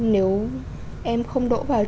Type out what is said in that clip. nếu em không đỗ vào